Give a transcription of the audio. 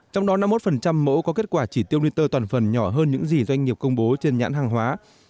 trong đó năm mươi một mẫu có kết quả chỉ tiêu niter toàn phần nhỏ hơn những gì doanh nghiệp công bố trên nhãn hàng hóa